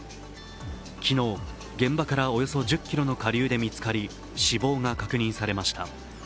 昨日、現場からおよそ１０ｋｍの下流で見つかり、死亡が確認されました。